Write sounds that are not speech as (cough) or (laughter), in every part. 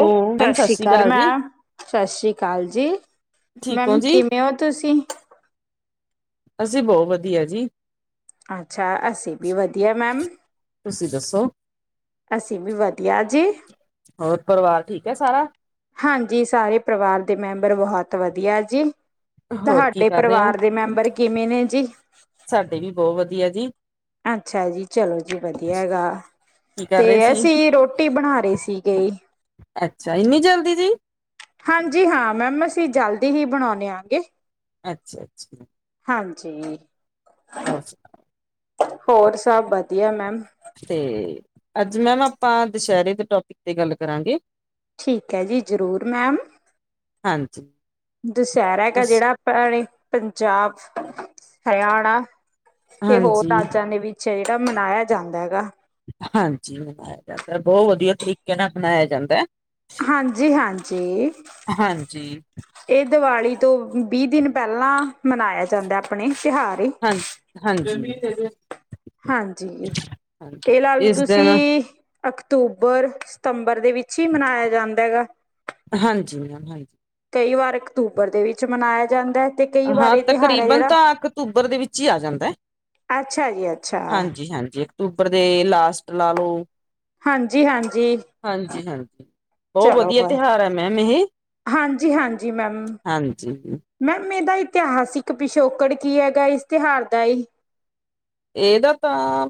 ਉਹ ਸਤਿ ਮੈਮ ਸ਼੍ਰੀ ਸ੍ਰੀ ਅਕਾਲ ਜੀ ਮੈਮ, ਸਤਿ ਸ੍ਰੀ ਅਕਾਲ ਜੀ। ਠੀਕ ਹੋ ਮੈਮ ਜੀ ਕਿਵੇਂ ਹੋ ਤੁਸੀਂ? ਅਸੀਂ ਬਹੁਤ ਵਧੀਆ ਜੀ। ਅੱਛਾ। ਅੱਸੀ ਵੀ ਵਧੀਆ ਮੈਮ। ਤੁਸੀਂ ਦੱਸੋ? ਅਸੀਂ ਵੀ ਵਧੀਆ ਜੀ। ਹੋਰ ਪਰਿਵਾਰ ਠੀਕ ਹੈ ਸਾਰਾ? ਹਾਂਜੀ। ਸਾਰੇ ਪਰਿਵਾਰ ਦੇ ਮੈਂਬਰ ਬਹੁਤ ਵਧੀਆ ਜੀ। ਹੋਰ ਕੀ ਤਾਹਾਡੇ ਕਰ ਰਹੇ ਹੋ ਪਰਿਵਾਰ ਦੇ ਮੈਂਬਰ ਕਿੰਨੇ ਨੇ ਜੀ? ਸਾਡੇ ਵੀ ਬਹੁ ਵਧੀਆ ਜੀ। ਅੱਛਾ ਜੀ, ਚਲੋ ਜੀ, ਵਧੀਆ ਹੈਗਾ। ਕੀ ਕਰ ਤੇ ਰਹੇ ਸੀ ਅਸੀਂ ਰੋਟੀ ਬਣਾਂ ਰਹੇ ਸੀਗੇ। ਅੱਛਾ, ਇੰਨੀ ਜਲਦੀ ਦੀ। ਹਾਂਜੀ, ਹਾਂ ਮੈਮ ਅਸੀਂ ਜਲਦੀ ਹੀ ਬਣਾਉਂਦੇ ਆਗੇ। ਅੱਛਾ-ਅੱਛਾ। ਹਾਂਜੀ। ਹੋਰ ਸੁਣਾ ਹੋਰ ਸਭ ਵਧੀਆ ਮੈਮ। ਤੇ ਅੱਜ ਮੈਮ ਆਪਾਂ, ਦੁਸਹਿਰੇ ਦੇ ਟੋਪਿਕ ਤੇ ਗੱਲ ਕਰਾਂਗੇ। ਠੀਕ ਐ ਜੀ, ਜਰੂਰ ਮੈਮ। ਹਾਂਜੀ ਦੁਸਹਿਰਾ ਕ ਤੁਸ- ਜਿਹੜਾ ਤੇ ਐਵੇਂ ਈ, ਪੰਜਾਬ, ਹਰਿਆਣਾ ਤੇ ਹੋਰ ਹਾਂਜੀ ਰਾਜਾਂ ਦੇ ਵੀ 'ਚ ਆ ਜਿਹੜਾ ਮਨਾਇਆ ਜਾਂਦਾ ਐਗਾ। ਹਾਂਜੀ, ਮਨਾਇਆ ਜਾਂਦਾ। ਬਹੁਤ ਵਧੀਆ ਤਰੀਕੇ ਨਾ ਮਨਾਇਆ ਜਾਂਦਾਂ। ਹਾਂਜੀ-ਹਾਂਜੀ। ਹਾਂਜੀ ਇਹ ਦੀਵਾਲੀ ਤੋਂ ਵੀਹ ਦਿਨ ਪਹਿਲਾਂ ਮਨਾਇਆ ਜਾਂਦਾ ਆਪਣੇ, ਤਿਉਹਾਰ। ਹਾਂ ਹਾਂਜੀ। ਹਾਂਜੀ, ਤੇ ਇਹ ਹਾਂਜੀ ਲਾ ਲੋ ਇਸ ਦਿਨ ਤੁਸੀਂ ਅਕਤੂਬਰ, ਸਤੰਬਰ ਦੇ ਵਿਚ ਈ ਮਨਾਇਆ ਜਾਦਾ ਐਗਾ। ਹਾਂਜੀ ਮੈਮ ਹਾਂਜੀ। ਕਈ ਵਾਰ ਅਕਤੂਬਰ ਦੇ ਵਿਚ ਮਨਾਇਆ ਜਾਦਾਂ ਏ। ਹਾਂ, ਤਕਰੀਬਨ ਤਾਂ ਅਕਤੂਬਰ ਦੇ ਵਿਚ ਈ ਆ ਜਾਦਾਂ ਏ। ਅਛਾ ਜੀ ਅੱਛਾ। ਹਾਂਜੀ-ਹਾਂਜੀ। ਅਕਤੂਬਰ ਦੇ ਲਾਸਟ ਲਾ ਲੋ। ਹਾਂਜੀ-ਹਾਂਜੀ। ਹਾਂਜੀ-ਹਾਂਜੀ। ਚਲੋ ਬਸ, ਹਾਂਜੀ-ਹਾਂਜੀ ਮੈਮ। ਹਾਂਜੀ ਮੈਮ ਇਹਦਾ ਇਤਿਹਾਸਿਕ ਪਿਛੋਕੜ ਕੀ ਹੈਗਾ। ਇਸ ਤਿਉਹਾਰ ਦਾ ਜੀ। ਇਹਦਾ ਤਾਂ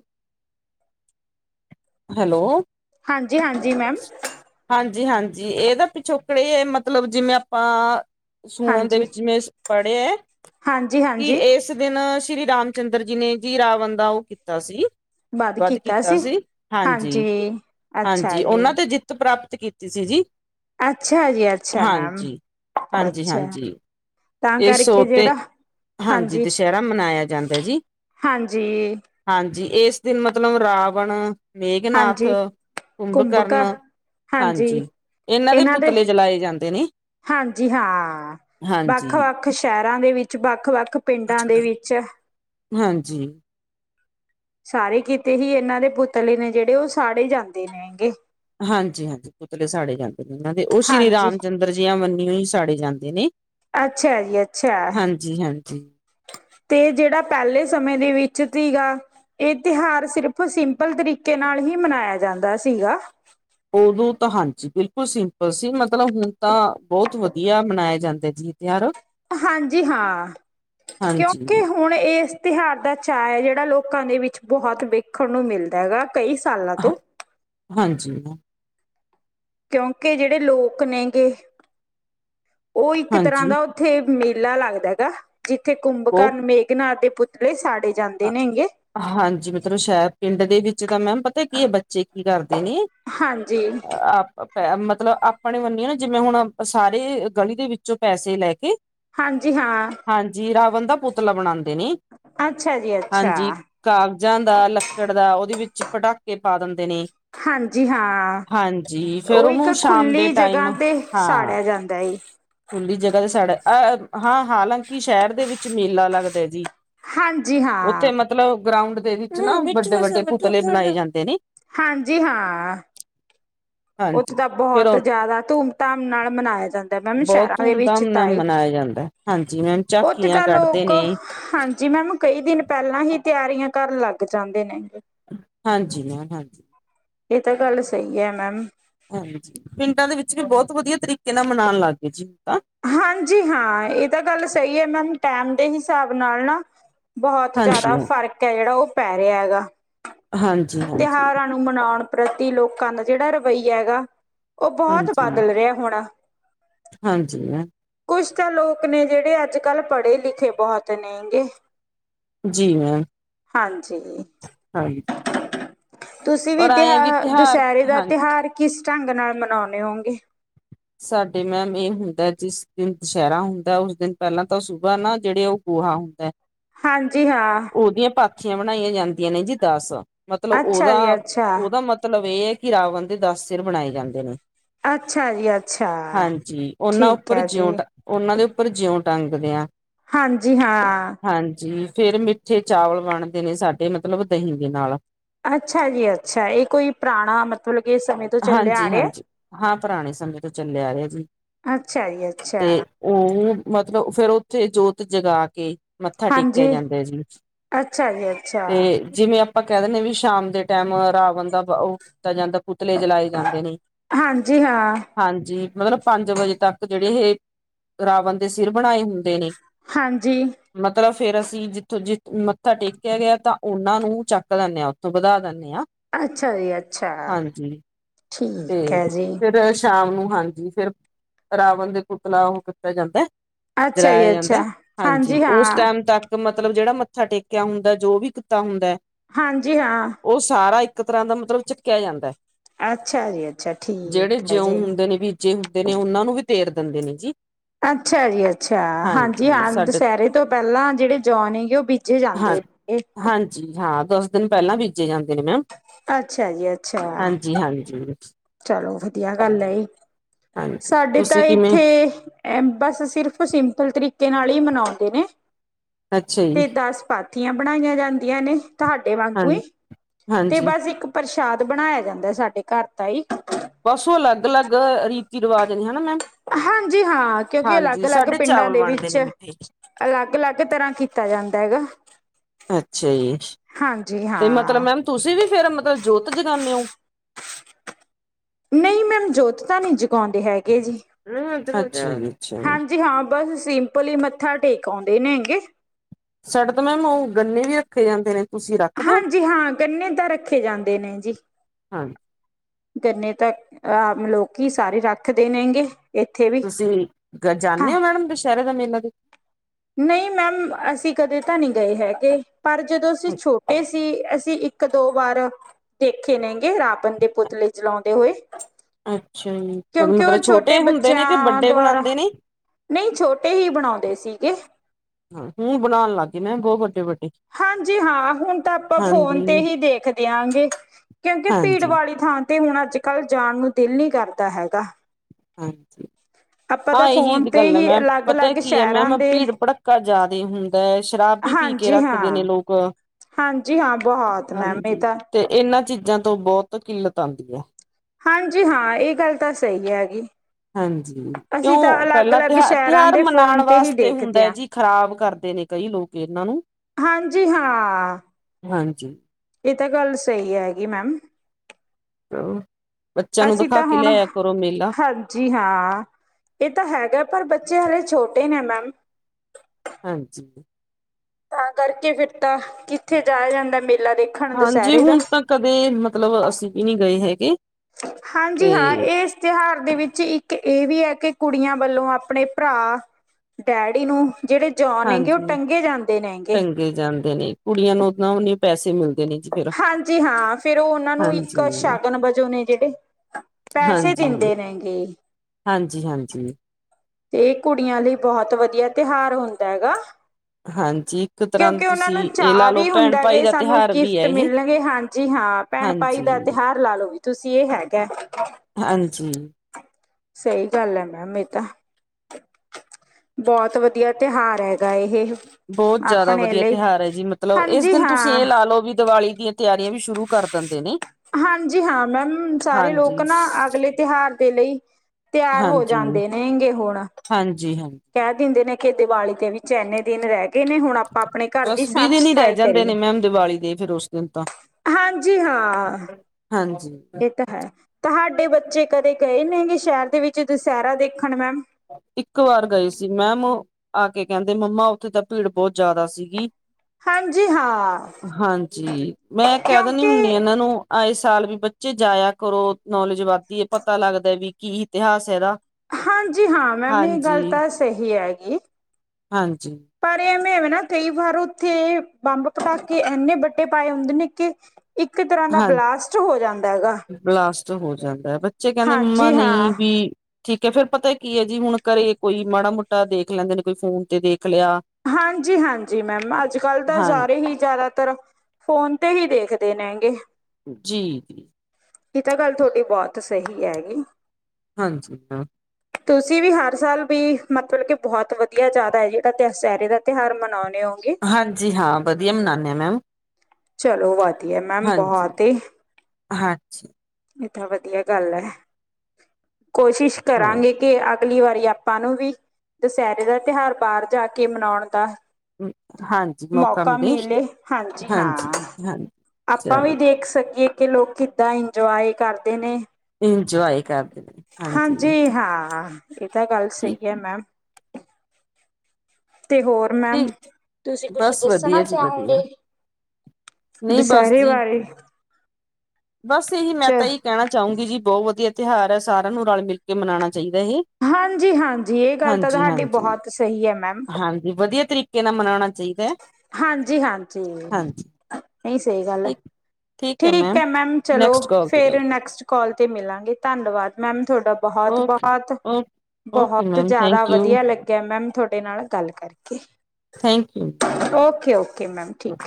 ਹੈਲੋ। ਹਾਂਜੀ-ਹਾਂਜੀ, ਮੈਮ। ਹਾਂਜੀ-ਹਾਂਜੀ, ਇਹਦਾ ਪਿਛੋਕੜੇ ਇਹ ਐ, ਮਤਲਬ ਜਿਵੇ ਆਂਪਾ- ਸੁਣਨ ਦੇ ਹਾਂਜੀ, ਵਿਚ, ਮੈ ਇਸ ਪੜ੍ਹਿਆ, ਕਿ ਹਾਂਜੀ-ਹਾਂਜੀ ਏਸ ਇਸ ਦਿਨ ਸ਼੍ਰੀ ਰਾਮ ਚੰਦਰ ਜੀ ਨੇ, ਜੀ ਰਾਵਣ ਦਾ ਉਹ ਕੀਤਾ ਸੀ ਵੱਧ ਕੀਤਾ ਸੀ। ਹਾਂਜੀ, ਅੱਛਾ ਹਾਂਜੀ-ਹਾਂਜੀ, ਜੀ, ਉਹਨਾ ਤੇ ਜਿੱ- ਪ੍ਰਾਪਤ ਕੀਤੀ ਸੀ ਜੀ। ਅੱਛਾ ਜੀ ਅੱਛਾ ਮੈਮ ਅੱਛਾ ਹਾਂਜੀ-ਹਾਂਜੀ-ਹਾਂਜੀ। ਤਾਂ ਇਹ ਓ ਕਰਕੇ ਤੇ ਜਿਹੜਾ ਹਾਂਜੀ, ਦੁਸ਼ਹਿਰਾ ਮਨਾਇਆ ਜਾਦਾ ਜੀ। ਹਾਂਜੀ, ਹਾਂਜੀ, ਇਸ ਦਿਨ ਮਤਲਬ ਰਾਵਣ, ਮੇਘਨਾਥ, ਹਾਂਜੀ ਕੁੰਭਕਰਨ ਕੁੰਭਕਾ ਹਾਂਜੀ, ਇਹਨਾਂ ਦੇ, ਪੁਤਲੇ ਜਲਾਏ ਜਾਂਦੇ ਨੇ ਹਾਂਜੀ ਹਾਂ, ਬਾਕ ਹਾਂਜੀ ਵੱਖ-ਵੱਖ ਸ਼ਹਿਰਾਂ ਦੇ ਵਿਚ ਵੱਖ-ਵੱਖ ਪਿੰਡਾਂ ਦੇ ਵਿਚ ਹਾਂਜੀ। ਸਾਰੇ ਕਿਤੇ ਹੀ ਇਹਨਾ ਦੇ ਪੁਤਲੇ ਨੇ ਜਿਹੜੇ, ਉਹ ਸਾੜੇ ਜਾਂਦੇ ਨੇ ਐਗੇ। ਹਾਂਜੀ-ਹਾਂਜੀ, ਪੁਤਲੇ ਸਾੜੇ ਜਾਦੇ ਨੇ, ਉਹਨਾ ਦੇ। ਉਹ ਸ਼੍ਰੀ ਹਾਂਜੀ। ਰਾਮ ਚੰਦਰ (unintelligible) ਅਛਾ ਜੀ ਅਛਾ। ਹਾਂਜੀ ਹਾਂਜੀ ਤੇ ਜਿਹੜਾ ਪਹਿਲੇ ਸਮੇਂ ਦੇ ਵਿਚ ਸੀਗਾ ਇਹ ਤਿਉਹਾਰ ਸਿਰਫ ਸਿੰਪਲ ਤਰੀਕੇ ਨਾਲ ਹੀ ਮਨਾਇਆ ਜਾਦਾ ਸੀਗਾ। ਉਦੋ ਤਾਂ ਹਾਂਜੀ ਬਿਲਕੁਲ ਸਿੰਪਲ ਸੀ। ਮਤਲਬ, ਹੁਣ ਤਾਂ ਬਹੁਤ ਵਧੀਆ ਮਨਾਇਆ ਜਾਦਾ ਜੀ ਇਹ ਤਿਉਹਾਰ ਹਾਂਜੀ, ਹਾਂ। ਕਿਉਕਿ ਹਾਂਜੀ ਹੁਣ ਇਸ ਤਿਉਹਾਰ ਦਾ ਚਾਅ ਹੈ। ਜਿਹੜਾ ਲੋਕਾਂ ਦੇ ਵਿਚ ਬਹੁਤ ਵੇਖਣ ਨੂੰ ਮਿਲਦਾ ਹੈਗਾ। ਕਈ ਸਾਲਾ ਤੋ ਹਾਂਜੀ। ਕਿਉਕਿ ਜਿਹੜੇ ਲੋਕ ਨੇਗੇ, ਉਹ ਇਕ ਤਰ੍ਹਾਂ ਹਾਂਜੀ ਦਾ ਉਥੇ ਮੇਲਾ ਲਗਦਾ ਹੈਗਾ, ਜਿਥੇ ਬਹੁਤ ਕੁੰਭਕਰਨ ਮੇਘਨਾਥ ਦੇ ਪੁਤਲੇ ਸਾਡੇ ਜਾਦੇ ਨੇ ਗੇ। ਹਾਂਜੀ, ਮਤਲਬ ਸ਼ਾਇਦ ਪਿੰਡ ਦੇ ਵਿਚ ਤਾਂ ਮੈਮ ਪਤਾ ਕੀ ਹੈ, ਬੱਚ ਹਾਂਜੀ। (unintelligible) ਮਤਲਬ, ਆਪਣੇ ਬੰਨੀਏ ਨਾ ਜਿਵੇ ਹੁਣ ਸਾਰੇ ਗਲੀ ਦੇ ਵਿਚੋਂ ਪੈਸੇ ਲੈ ਕੇ ਹਾਂਜੀ, ਹਾਂ। ਹਾਂਜੀ, ਰਾਵਣ ਦਾ ਪੁਤਲਾ ਬਣਾਉਦੇ ਨੇ‌। ਅਛਾ ਜੀ ਅਛਾ। ਕਾਗਜ਼ਾਂ ਦਾ ਲੱਕੜ ਦਾ ਉਹਦੇ ਵਿਚ ਪਟਾਕੇ ਪਾ ਦਿਦੇ ਨੇ। ਹਾਂਜੀ ਹਾਂ। ਹਾਂਜੀ, ਫੇਰ ਉਹ ਇੱਕ ਉਹਨੂੰ ਸ਼ਾਮ ਦੇ ਖੁੱਲੀ ਟਾਈਮ ਜਗ੍ਹਾ ਤੇ ਹਾਂ। ਸਾੜਿਆ ਜਾਂਦਾ ਏ ਖੁੱਲੀ ਜਗ੍ਹਾ ਤੇ ਸਾਡੇ ਹਾਂ, ਹਾਲਾਂਕਿ ਸ਼ਹਿਰ ਦੇ ਵਿਚ ਮੇਲਾ ਲਗਦਾ ਜੀ। ਹਾਂਜੀ ਹਾਂ ਉਥੇ ਮਤਲਬ ਗਰਾਉਡ ਦੇ ਵਿਚ ਨਾ ਵੱਡੇ- ਵੱਡੇ ਪੁਤਲੇ ਬਣਾਏ ਜਾਦੇ ਨੇ। ਹਾਂਜੀ, ਹਾਂ। ਉਥੇ ਹਾਂਜੀ ਤਾਂ ਬਹੁਤ ਫੇਰ ਜਿਆਦਾ ਧੂਮ-ਧਾਮ ਨਾਲ ਮਨਾਇਆ ਜਾਦਾ। (inaudible) ਬਹੁਤ ਧੂਮ-ਧਾਮ ਨਾਲ ਮਨਾਇਆ ਜਾਂਦਾ ਹਾਂਜੀ ਮੈਮ ਉਥੇ ਝਾਕੀਆਂ ਤਾਂ ਕੱਢਦੇ ਲੋਕ ਨੇ ਹਾਂਜੀ। ਜੀ ਮੈਮ ਕਈ ਦਿਨ ਪਹਿਲਾਂ ਹੀ ਤਿਆਰੀਆਂ ਕਰਨ ਲੱਗ ਜਾਂਦੇ ਨੇ। ਹਾਂਜੀ, ਮੈਮ ਹਾਂਜੀ। ਇਹ ਤਾਂ ਗੱਲ ਸਹੀ ਹੈ, ਮੈਮ। ਹਾਂਜੀ, ਪਿੰਡਾਂ ਦੇ ਵਿੱਚ ਵੀ ਬਹੁਤ ਵਧੀਆ ਤਰੀਕੇ ਨਾਲ ਮਨਾਣ ਲੱਗ ਗਏ ਜੀ, ਹੁਣ ਤਾਂ। ਹਾਂਜੀ, ਹਾਂ ਇਹ ਤਾਂ ਗੱਲ ਸਹੀ ਹੈ ਮੈਮ ਟੈਮ ਦੇ ਹਿਸਾਬ ਨਾਲ ਨਾ ਬਹੁਤ ਜਿਆਦਾ ਹਾਂਜੀ ਫ਼ਰਕ ਹੈ, ਜਿਹੜਾ ਉਹ ਪੈ ਰਿਹਾ ਹੈਗਾ। ਹਾਂਜੀ-ਹਾਂਜੀ। ਤਿਉਹਾਰਾਂ ਨੂੰ ਮਨਾਉਣ ਪ੍ਰਤੀ ਲੋਕਾਂ ਦਾ ਜਿਹੜਾ ਰਵੱਈਆ ਹੈਗਾ ਉਹ ਬਹੁਤ ਹਾਂਜੀ ਬਦਲ ਰਿਹਾ ਹੁਣ। ਹਾਂਜੀ, ਮੈਮ। ਕੁਛ ਤਾਂ ਲੋਕ ਨੇ ਜਿਹੜੇ ਅੱਜ ਕੱਲ੍ਹ ਪੜ੍ਹੇ ਲਿਖੇ ਬਹੁਤ ਨੇਗੇ। ਜੀ ਮੈਮ। ਹਾਂਜੀ। ਹਾਂ। ਤੁਸੀਂ ਵੀ ਦਿਹਾ ਤਿਉਹਾਰ ਦੁਸਹਿਰੇ ਦਾ ਹਾਂ ਤਿਉਹਾਰ ਕਿਸ ਢੰਗ ਨਾਲ ਮਨਾਉਣੇ ਹੋਗੇ? ਸਾਡੇ ਮੈਮ ਇਹ ਹੁੰਦਾ, ਜਿਸ ਦਿਨ ਦੁਸਹਿਰਾ ਹੁੰਦਾ ਉਸ ਦਿਨ ਪਹਿਲਾਂ ਤਾਂ ਸੁਬਾਹ ਨਾ ਜਿਹੜੇ ਉਹ ਗੋਹਾ ਹੁੰਦਾ ਹਾਂਜੀ, ਹਾਂ। ਉਹਦੀਆਂ ਪਾਥੀਆਂ ਬਣਾਈਆਂ ਜਾਂਦੀਆਂ ਨੇ, ਜੀ ਦਸ ਮਤਲਬ ਅੱਛਾ ਜੀ ਉਹਦਾ, ਅੱਛਾ ਉਹਦਾ ਮਤਲਬ ਇਹ ਹੈ ਕੇ ਰਾਵਨ ਦੇ ਦਸ ਸਿਰ ਬਣਾਏ ਜਾਂਦੇ ਨੇ। ਅੱਛਾ ਜੀ ਅ ਹਾਂਜੀ, ਉਹਨਾਂ ਉੱਪਰ ਜਿਉਂ, ਉਹਨਾਂ ਦੇ ਉੱਪਰ ਜਿਉਂ ਟੰਗਦੇ ਆ। ਹਾਂਜੀ ਹਾਂ। ਹਾਂਜੀ, ਫੇਰ ਮਿੱਠੇ ਚਾਵਲ ਬਣਦੇ ਨੇ ਸਾਡੇ ਮਤਲਬ ਦਹੀਂ ਦੇ ਨਾਲ। ਅੱਛਾ ਜੀ ਅੱਛਾ, ਇਹ ਕੋਈ ਪੁਰਾਣਾ ਮਤਲਬ ਕਿ ਸਮੇਂ ਤੋਂ ਚੱਲਿਆ ਆ ਹਾਂਜੀ ਰਿਹੈ। ਹਾਂਜੀ ਹਾਂ ਪੁਰਾਣੇ ਸਮੇਂ ਤੋਂ ਚੱਲਿਆ ਰਿਹਾ ਜੀ। ਅੱਛਾ ਜੀ ਤੇ ਅੱਛਾ ਉਹ ਮਤਲਬ ਫਿਰ ਉੱਥੇ ਜੋਤ ਜਗਾ ਕੇ ਮੱਥਾ ਟੇਕਿਆ ਹਾਂਜੀ ਜਾਂਦੇ ਜੀ। ਅੱਛਾ ਜੀ ਤੇ ਅੱਛਾ ਜਿਵੇਂ ਆਪਾਂ ਕਹਿ ਦਿੰਦੇ ਵੀ ਸ਼ਾਮ ਦੇ ਟਾਈਮ ਰਾਵਣ ਦਾ ਉਹ ਕੀਤਾ ਜਾਂਦਾ ਪੁਤਲੇ ਜਲਾਏ ਜਾਂਦੇ ਨੇ। ਹਾਂਜੀ ਹਾਂ। ਹਾਂਜੀ, ਮਤਲਬ ਪੰਜ ਵਜੇ ਤੱਕ ਜਿਹੜੇ ਇਹ ਰਾਵਣ ਦੇ ਸਿਰ ਬਣਾਏ। ਦੇ ਨੇ। ਹਾਂਜੀ ਮਤਲਬ ਫੇਰ ਅਸੀਂ ਜਿੱਥੋਂ ਜਿ ਮੱਥਾ ਟੇਕਿਆ ਗਿਆ ਤਾਂ ਉਹਨਾਂ ਨੂੰ ਚੱਕ ਦਿੰਨੇ ਆਂ ਉੱਥੋਂ ਵਧਾ ਦਿੰਨੇ ਆਂ। ਅੱਛਾ ਜੀ ਅੱਛਾ, ਠੀਕ ਹੈ ਜੀ। ਫੇਰ ਸ਼ਾਮ ਨੂੰ ਹਾਂਜੀ, ਫਿਰ ਰਾਵਣ ਦੇ ਪੁਤਲਾ ਉਹ ਰਖਆ ਜਾਂਦਾ। ਅੱਛਾ ਜੀ ਜਲਾਯਾ ਅੱਛਾ ਜਾਂਦਾ। ਹਾਂਜੀ, ਉਸ ਹਾਂ ਟਾਈਮ ਤੱਕ ਮਤਲਬ ਜਿਹੜਾ ਮੱਥਾ ਟੇਕਿਆ ਹੁੰਦਾ ਜੋ ਵੀੱ ਕੀਤਾ ਹੁੰਦਾ। ਹਾਂਜੀ ਹਾਂ। ਉਹ ਸਾਰਾ ਇੱਕ ਤਰ੍ਹਾਂ ਦਾ ਮਤਲਬ ਚਕਿਆ ਜਾਂਦਾ। ਅੱਛਾ ਜੀ, ਅੱਛਾ ਠੀਕ। ਹੈ ਜਿਉਂ ਜੀ ਹੁੰਦੇ ਨੇ ਬੀਜੇ ਹੁੰਦੇ ਨੇ ਉਹਨਾਂ ਨੂੰ ਵੀ ਤੇਰ ਦਿੰਦੇ ਨੇ ਜੀ। ਅੱਛਾ ਜੀ ਅੱਛਾ। ਹਾਂਜੀ ਹਾਂ ਦੁਸਹਿਰੇ ਤੋਂ ਪਹਿਲਾਂ ਜਿਹੜੇ ਜੌ ਨੇ ਉਹ ਬੀਜੇ ਹਾਂ ਜਾਂਦੇ। ਨੇ ਹਾਂਜੀ, ਹਾਂ ਦੋ ਦਿਨ ਪਹਿਲਾਂ ਬੀਜੇ ਜਾਂਦੇ ਨੇ ਮੈਮ। ਅੱਛਾ ਜੀ ਅੱਛਾ ਹਾਂਜੀ- ਹਾਂਜੀ। ਚਲੋ ਵਧੀਆ ਗੱਲ ਏ ਜੀ। ਹਾਂਜੀ ਸਾਡੇ ਤਾਂ ਤੁਸੀਂ ਕਿਵੇਂ ਇੱਥੇ ਏ ਮ ਸਿਰਫ਼ ਸਿੰਪਲ ਤਰੀਕੇ ਨਾਲ ਹੀ ਮਨਾਉਂਦੇ ਨੇ। ਅੱਛਾ ਜੀ, ਤੇ ਦਸ ਪਾਤ ਪਥੀਆਂ ਬਣਾਈਆਂ ਜਾਂਦੀਆਂ ਨੇ ਤੁਹਾਡੇ ਵਾਂਗੂ ਹਾਂਜੀ ਹੀ। ਤੇ ਹਾਂਜੀ ਬਸ ਇੱਕ ਪ੍ਰਸ਼ਾਦ ਬਣਾਇਆ ਜਾਂਦਾ ਸਾਡੇ ਘਰ ਤਾ ਹੀ। ਬਸ ਉਹ ਅਲੱਗ- ਅਲੱਗ, ਰੀਤੀ- ਰਿਵਾਜ਼ ਨੇ ਹੈਨਾ ਮੈਮ। ਹਾਂਜੀ, ਹਾਂ। ਕਿਉਂਕਿ ਹਾਂਜੀ ਅਲੱਗ- ਅਲੱਗ ਸਾਡੇ ਪਿੰਡਾਂ ਚਾਵਲ ਦੇ ਬਣਦੇ ਵਿੱਚ ਨੇ ਮਿੱਠੇ। ਅਲੱਗ -ਅਲੱਗ ਤਰ੍ਹਾਂ ਕੀਤਾ ਜਾਂਦਾ ਹੈਗਾ। ਅੱਛਾ ਜੀ ਹਾਂਜੀ ਤੇ ਮਤਲਬ ਹਾਂ ਮੈਮ ਤੁਸੀਂ ਵੀ ਫੇ। ਰ ਮਤਲਬ ਜੋਤ ਜਗਾਉਂਨੇ ਹੋ। ਨਹੀਂ ਮੈਮ ਜੋਤ ਤਾਂ ਨਹੀਂ ਜਗਾਉਂਦੇ ਹੈਗੇ ਜੀ। ਅੱਛਾ। ਜੀ, ਹਾਂਜੀ ਹਾਂ। ਬਸ ਸਿੰਪਲ ਹੀ ਮੱਥਾ ਟੇਕ ਆਉਂਦੇ ਨੇ ਆ ਗੇ ਜਿਸ ਸਡੇ ਤੋਂ ਮੈਮ ਉਹ ਗੰਨੇ ਵੀ ਰੱਖੇ ਜਾਂਦੇ ਨੇ ਤੁਸੀਂ ਰੱਖ ਹਾਂਜੀ ਹਾਂ। ਗੰਨੇ ਤਾਂ ਰੱਖੇ ਜਾਂਦੇ ਨੇ ਜੀ। ਹਾਂ, ਗੰਨੇ ਤਾਂ ਆਮ ਲੋਕੀ ਸਾਰੇ ਰੱਖਦੇ ਨੇਗੇ। ਇੱਥੇ ਵੀ ਤੁਸੀਂ ਗ ਜਾਂਨੇ ਹਾਂ ਹੋ ਮੈਡਮ ਦੁਸਹਿਰੇ ਦਾ ਮੇਲਾ ਦੇ ਨਹੀਂ ਮੈਮ ਅਸੀਂ ਕਦੇ ਤਾਂ ਨਹੀਂ ਗਏ ਹੈਗੇ, ਪਰ ਜਦੋਂ ਅਸੀਂ ਛੋਟੇ ਸੀ ਅਸੀਂ ਇੱਕੱ ਇੱਕ- ਦੋ ਵਾਰ, ਦੇਖੇ ਨੇ ਗੇ ਰਾਵਣ ਦੇ ਪੁਤਲੇ ਜਲਾਉਂਦੇ ਹੋਏ। ਅੱਛਾ ਜੀ। ਕਿਉਂਕਿ ਉਹ ਮਤਲਬ ਛੋਟੇ ਹੁੰਦੇ ਨੇ ਕਿ ਬੱਚਿਆਂ ਵੱਡੇ ਦੁਆਰਾ ਬਣਾਉਂਦੇ ਨੇ। ਨਹੀਂ ਛੋਟੇ ਹੀ ਬਣਾਉਂਦੇ ਸੀਗੇ। ਹ ਹੂਣ ਬਣਾਉਣ ਲੱਗ ਗਏ ਬਹੁਤ ਵੱਡੇ- ਵੱਡੇ। ਹਾਂਜੀ ਹਾਂ। ਹੁਣ ਤਾਂ ਆਪਾਂ ਫੋਨ ਹਾਂਜੀ ਤੇ ਹੀ ਦੇਖਦੇ ਆਂਗੇ। ਕਿਉਂਕਿ ਭੀੜ ਹਾਂਜੀ ਵਾਲੀ ਥਾਂ ਤੇ ਹੁਣ ਅੱਜ ਕੱਲ ਜਾਣ ਨੂੰ ਦਿਲ ਨੀ ਕਰਦਾ ਹੈਗਾ। ਹਾਂਜੀ। ਆਪਾਂ (unintelligible) ਹਾਂ ਇਹੀ ਤੇ ਗੱਲ ਏ ਹੀ ਮੈਮ ਅਲੱਗ ਪਤਾ ਅਲੱਗ ਕੀ ਏ, ਸ਼ਹਿਰਾਂ ਮੈਮ ਦੇ ਭੀੜ ਭੜੱਕਾ ਜਾਦੇ ਹੁੰਦਾ ਏ, ਸ਼ਰਾਬ ਵੀ ਪੀ ਹਾਂਜੀ ਰੱਖਦੇ ਨੇ ਹਾਂ ਲੋਕ, ਹਾਂਜੀ ਹਾਂ ਬਹੁਤ ਮੈਮ ਇਹ ਹਾਂਜੀ ਤਾਂ ਤੇ ਇਹਨਾਂ ਚੀਜ਼ਾਂ ਤੋਂ ਬੋਤ ਕਿੱਲਤ ਆਂਦੀ ਐ। ਹਾਂਜੀ ਹਾਂ, ਇਹ ਗੱਲ ਤਾਂ ਸਹੀ ਹੈਗੀ। ਹਾਂਜੀ ਅਸੀਂ ਤਾਂ ਕਿਉਂ ਪਹਿਲਾਂ ਅਲੱਗ-ਅਲੱਗ ਤਿਉਹ ਸ਼ਹਿਰਾਂ ਤਿਉਹਾਰ ਦੇ ਫੋਨ ਮਨਾਉਣ ਤੇ ਹੀ ਵਾਸਤੇ ਦੇਖਦੇ ਹੁੰਦਾ ਏ ਹਾਂ ਜੀ। ਖ਼ਰਾਬ ਕਰਦੇ ਨੇ ਕਈ ਲੋਕ ਇਹਨਾਂ ਨੂੰ। ਹਾਂਜੀ ਹਾਂ, ਹਾਂਜੀ ਇਹ ਤਾਂ ਗੱਲ ਸਹੀ ਹੈਗੀ ਮੈਮ। ਬੱਚਿਆਂ ਨੂੰ ਦਿਖਾ ਕੇ ਲੈਇਆ ਕਰੋ ਮੇਲਾ। ਜੀ ਹਾਂ, ਐ ਤਾਂ ਹੈਗਾ ਪਰ ਬੱਚੇ ਹਲੇ ਛੋਟੇ ਨੇ ਮੈਮ। ਹਾਂਜੀ। ਤਾਂ ਕਰਕੇ ਫੇਰ ਤਾਂ ਕਿੱਥੇ ਜਾਇਆ ਜਾਂਦਾ ਮੇਲਾ ਦੇਖ ਹਾਂਜੀ ਹੁਣ ਤਾਂ ਕਦੇ ਮਤਲਬ ਅਸੀਂ ਵੀ ਨੀ ਗਏ ਹੈਗੇ। ਤੇ ਹਾਂਜੀ ਹਾਂ ਇਹ ਤਿਉਹਾਰ ਦੇ ਵਿੱਚ ਇੱਕ ਇਹ ਵੀ ਹੈ, ਕਿ ਕੁੜੀਆਂ ਵੱਲੋਂ ਆਪਣੇ ਭਰਾ ਡੈਡੀ ਨੂੰ ਜਿਹੜੇ ਜਵਾਨ ਹੈਗੇ ਉਹ ਟੰਗੇ ਜਾਂਦੇ ਨੇ ਹੈਗੇ। ਲੱਗੇ ਜਾਂਦੇ ਨੇ ਕੁੜੀਆਂ ਨੂੰ ਉਦਾਂ ਉਹਨੇ ਪੈਸੇ ਮਿਲਦੇ ਨੇ ਜੀ। ਫੇਰ ਹਾਂਜੀ ਹਾਂ ਫੇਰ ਉਹ ਉਹਨਾਂ ਨੂੰ ਇੱਕ ਹਾਂਜੀ ਸ਼ਗਨ ਵਜੋਂ ਨੇ ਜਿਹੜੇ ਪੈਸੇ ਹਾਂਜੀ, ਦਿੰਦੇ ਨੇ ਗੇ। ਹਾਂਜੀ -ਹਾਂਜੀ। ਤੇ ਕੁੜੀਆਂ ਲਈ ਬਹੋਤ ਵਧੀਆ ਤਿਉਹਾਰ ਹੁੰਦਾ ਹੈਗਾ। ਹਾਂਜੀ, ਇੱਕ ਤਰ੍ਹਾਂ ਦਾ ਕਿਉਂਕਿ ਉਹਨਾਂ ਤੁਸੀਂ ਨੂੰ ਇਹ ਲਾ ਚਾਅ ਲਓ ਵੀ ਭੈਣ ਹੁੰਦਾ, ਏ ਵੇ ਭਾਈ ਕਿ ਦਾ ਸਾਨੂੰ ਤਿਉਹਾਰ ਵੀ ਗਿਫਟ ਹੈ ਇਹ। ਮਿਲਣਗੇ ਹਾਂਜੀ ਹਾਂ। ਭੈਣ ਭਾਈ ਦਾ ਹਾਂਜੀ, ਤਿਉਹਾਰ ਲਾਲੋ ਵੀ ਤੁਸੀਂ ਇਹ ਹੈਗਾ਼। ਹਾਂਜੀ। ਸਹੀ ਗੱਲ ਹੈ ਮੈਮ ਇਹ ਤਾਂ। ਬੋਤ ਵਧੀਆ ਤਿਉਹਾਰ ਹੈਗਾ ਇਹ। ਬੋਤ ਜ਼ਿਆਦਾ ਆਪਣੇ ਵਧੀਆ ਲਈ ਤਿਉਹਾਰ ਹੈ ਜੀ, ਮਤਲਬ ਇਸ ਹਾਂਜੀ ਦਿਨ ਤੁਸੀਂ ਹਾਂ ਇਹ ਲਾ ਲਓ ਵੀ ਦੀਵਾਲੀ ਦੀ ਤਿਆਰੀਆਂ ਵੀ ਸ਼ੁਰੂ ਕਰ ਦਿੰਦੇ ਨੇ। ਹਾਂਜੀ ਹਾਂ ਮੈਮ ਸਾਰੇ ਲੋਕ ਹਾਂਜੀ, ਨਾ ਅਗਲੇ ਤਿਉਹਾਰ ਦੇ ਲਈ ਤਿਆਰ ਹੋ ਹਾਂਜੀ, ਜਾਂਦੇ ਨੇਗੇ ਹੁਣ। ਹਾਂਜੀ -ਹਾਂ- ਕਹਿ ਦਿੰਦੇ ਨੇ ਕੇ ਦਿਬਾਲੀ ਤੇ ਵਿਚ ਐਨੇ ਦਿਨ ਰਹਿ ਗਏ ਨੇ ਹੁਣ। ਆਪਾਂ ਆਪਣੇ ਘਰ ਦੀ ਬਸ ਵੀਹ ਸਾਫ਼ ਦਿਨ ਹੀ ਰਹਿ ਸਫ਼ਾਈ ਜਾਂਦੇ ਕਰੀਏ ਨੇ ਮੈਮ ਦੀਵਾਲੀ ਦੇ ਫੇਰ ਉਸ ਦਿਨ ਤਾਂ ਹਾਂਜੀ ਹਾਂ। ਹਾਂਜੀ। ਤੇ ਹੈ ਤੁਹਾਡੇ ਬੱਚੇ ਕਦੇ ਗਏ ਨੇ ਗੇ ਸ਼ਹਿਰ ਦੇ ਵਿੱਚ ਦੁਸਹਿਰਾ ਦੇਖਣ ਮੈਮ। ਇੱਕ ਵਾਰ ਗਏ ਸੀ ਮੈਮ, ਓ ਆ ਕੇ ਕਹਿੰਦੇ ਮੰਮਾ ਉੱਥੇ ਤਾਂ ਭੀੜ ਬੋਤ ਜ਼ਿਆਦਾ ਸੀਗੀ। ਹਾਂਜੀ ਹਾਂ ਹਾਂਜੀ ਮੈਂ ਕਹਿ ਦਿੰਣੀ ਕਿਉਂਕਿ ਹੁੰਦੀ ਇਹਨਾਂ ਨੂੰ। ਆ ਇਸ ਸਾਲ ਵੀ ਬੱਚੇ ਜਾਇਆ ਕਰੋ ਨੌਲੇਜ ਵੱਧਦੀ ਹੈ। ਪਤਾ ਲੱਗਦਾ ਵੀ ਕੀ ਇਤਿਹਾਸ ਏ ਇਹਦਾ। ਹਾਂਜੀ ਹਾਂ ਮੈਮ, ਇਹ ਗੱਲ ਹਾਂਜੀ ਤਾਂ ਸਹੀ ਹੈਗੀ। ਹਾਂਜੀ। ਪਰ ਐਵੇਂ ਏਨਾ ਕਈ ਵਾਰ ਉੱਥੇ ਬੰਬ, ਪਟਾਕੇ ਇੰਨੇ ਬੱਟੇ ਪਾਏ ਹੁੰਦੇ ਨੇ ਕਿ ਇੱਕ ਤਰ੍ਹਾਂ ਦਾ ਹਾਂ ਬਲਾਸਟ ਹੋ ਜਾਂਦਾ ਹੈਗਾ ਬਲਾਸਟ ਹੋ ਜਾਂਦਾ ਐ ਬੱਚੇ ਕਹਿੰਦੇ ਮੰਮਾ ਹਾਂਜੀ ਹਾਂ ਨਹੀਂ ਵੀ। ਠੀਕ ਐ, ਫੇਰ ਪਤਾ ਕੀ ਐ ਜੀ ਹੁਣ ਘਰੇ ਕੋਈ ਮਾੜਾ-ਮੋਟਾ ਦੇਖ ਲੈਂਦੇ ਨੇ ਕੋਈ ਫੋਨ ਤੇ ਦੇਖ ਲਿਆ ਹਾਂਜੀ ਹਾਂਜੀ, ਮੈਮ। ਅੱਜ-ਕਲ ਤਾਂ ਹਾਂ ਸਾਰੇ ਹੀ ਜ਼ਿਆਦਾਤਰ ਫੋਨ ਤੇ ਹੀ ਦੇਖਦੇ ਨੇ ਹੈਂਗੇ। ਜੀ! ਈ ਤਾਂ ਗੱਲ ਤੁਹਡੀ ਬੋਤ ਸਈ ਹੈਗੀ। ਹਾਂਜੀ ਹਾਂ। ਤੁਸੀਂ ਵੀ ਹਰ ਸਾਲ ਵੀ, ਮਤਲਬ ਕਿ ਬਹੁਤ ਵਧੀਆ ਜ਼ਿਆਦਾ ਹੈ ਜੇੜਾ ਤਿਆ ਦੁਸਹਿਰੇ ਦਾ ਤਿਉਹਾਰ ਮਨਾਉਂਣੇ ਓਂ। ਹਾਂਜੀ ਹਾਂ, ਵਧੀਆ ਮਨਾਉਂਣ ਆਂ ਮੈਮ, ਚਲੋ ਵਧੀਆ ਮੈਮ ਹਾਂਜੀ। ਬਹੁਤ ਹਾਂਜੀ। ਏ ਤਾਂ ਵਧੀਆ ਗੱਲ ਐ। ਕੋਸ਼ਿਸ਼ ਹੋਰ ਕਰਾਂਗੇ। ਕਿ ਅਗਲੀ ਵਾਰੀ ਆਪਾਂ ਨੂੰ ਵੀ ਦੁਸਹਿਰੇ ਦਾ ਤਿਉਹਾਰ ਬਾਹਰ ਜਾ ਕੇ ਮਨਾਉਣ ਦਾ ਮੌਕਾ ਮਿਲੇ, ਹਾਂਜੀ ਹਾਂ। ਆਪਾਂ ਵੀ ਚਲੋ ਦੇਖ ਸਕੀਏ, ਕਿ ਲੋਕ ਕਿੱਦਾਂ ਇੰਜੋਏ ਕਰਦੇ ਨੇ। ਇੰਜੋਏ ਕਰ ਹਾਂਜੀ ਹਾਂ, ਏ ਤਾਂ ਗੱਲ ਸਈ ਠੀਕ ਐ ਮੈਮ। ਤੇ ਹੋਰ ਮੈਮ ਜੀ ਤੁਸੀਂ ਕੁਛ ਬਸ ਦੱਸਣਾ ਵਧੀਆ ਜੀ ਚਾਹੋਂਗੇ। ਵਧੀਆ ਨਹੀਂ ਬਸ ਦੁਸਹਿਰੇ ਜੀ ਵਾਰੇ ਬਸ ਇਹੀ ਮੈਂ, ਤਾਂ ਇਹੀ ਕੈਣਾ ਚਾਹੂੰਗੀ ਜੀ ਬੋਤ ਵਧੀਆ ਤਿਉਹਾਰ ਐ, ਸਾਰਿਆਂ ਨੂੰ ਰਲ-ਮਿਲ ਕੇ ਮਨਾਣਾ ਚਾਈਦਾ ਏਹੇ। ਹਾਂਜੀ, ਹਾਂਜੀ ਏ ਗੱਲ ਤਾਂ ਤੁਹਾਡੀ ਬੋਹਤ ਸਹੀ ਐ ਮੈਮ। ਹਾਂਜੀ, ਵਧੀਆ ਤਰੀਕੇ ਨਾਲ ਮਨਾਣਾ ਚਾਈਦਾ ਐ। ਹਾਂਜੀ ਹਾਂਜੀ, ਏਈ ਸਈ ਗੱਲ ਐ। ਠੀਕ ਠੀਕ ਐ ਮੈਮ ਚਲੋ, ਨੈਕਸਟ ਕਾਲ ਤੇ ਫਿਰ ਗੱਲ ਕਰ ਨੈਕਸਟ ਕਾੱਲ ਤੇ ਮਿਲਾਂਗੇ। ਧੰਨਵਾਦ। ਮੈਮ ਤੁਹਡਾ ਓਕੇ ਬਹੁਤ-ਬਹੁਤ, ਓਕੇ ਓਕੇ ਬਹੁਤ ਮੈਮ ਜ਼ਿਆਦਾ ਥੈਂਕ ਯੂ ਵਧੀਆ ਲੱਗ ਗਿਆ ਮੈਮ ਤੁਹਡੇ ਨਾਲ ਗੱਲ ਕਰਕੇ। Thank you. ਓਕੇ-ਓਕੇ ਮੈਮ, ਠੀਕ।